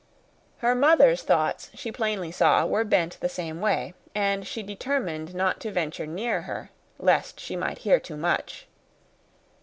Her mother's thoughts she plainly saw were bent the same way, and she determined not to venture near her, lest she might hear too much.